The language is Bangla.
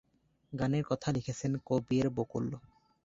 গানের কথা লিখেছেন কবির বকুল।